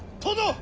殿！